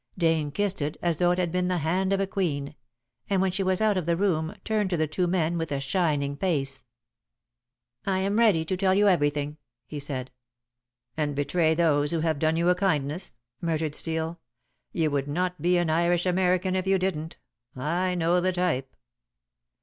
Dane kissed it as though it had been the hand of a queen, and when she was out of the room, turned to the two men with a shining face. "I am ready to tell you everything," he said. "And betray those who have done you a kindness," muttered Steel. "You would not be an Irish American if you didn't. I know the type."